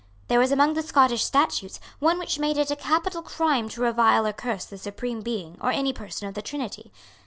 There was among the Scottish statutes one which made it a capital crime to revile or curse the Supreme Being or any person of the Trinity.